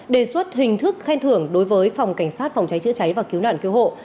đề xuất hình thức khen thưởng đối với phòng cảnh sát phòng cháy chữa cháy và cứu nạn cứu hộ